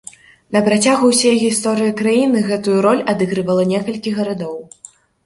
На працягу ўсёй гісторыі краіны, гэтую ролю адыгрывала некалькі гарадоў.